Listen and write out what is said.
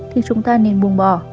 thì chúng ta nên buông bỏ